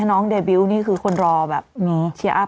น้องเดบิวต์นี่คือคนรอแบบมีเชียร์อัพ